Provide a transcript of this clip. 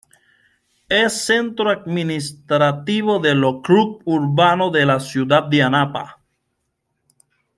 Es centro administrativo del ókrug urbano Ciudad de Anapa.